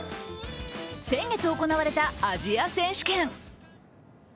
先月行われたアジア選手権。